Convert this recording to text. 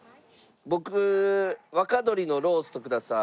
僕若鶏のローストください。